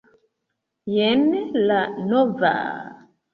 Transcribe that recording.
Jen la nova...